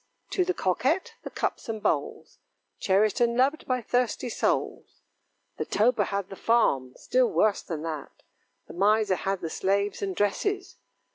To the coquette the cups and bowls Cherished and loved by thirsty souls; The toper had the farm; still worse than that, The miser had the slaves and dresses.